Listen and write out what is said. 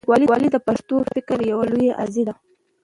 لیکوال د پښتو فکر یو لوی استازی دی.